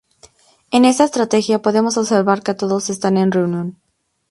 En esta entrega podemos observar que todos están en reunión.